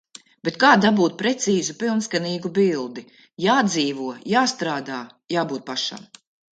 Bet kā dabūt precīzu pilnskanīgu bildi? Jādzīvo, jāstrādā, jābūt pašam.